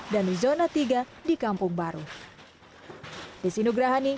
dan zona tiga di kampung baru